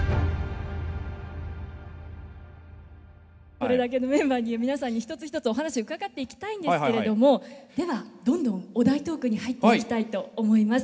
これだけのメンバーに皆さんに一つ一つお話伺っていきたいんですけれどもではどんどんお題トークに入っていきたいと思います。